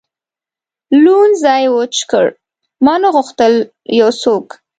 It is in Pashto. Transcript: لوند ځای وچ کړ، ما نه غوښتل یو څوک.